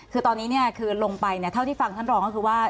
คือตอนนี้ตอนนี้ลงไปเขาเล่นบอกคือว่า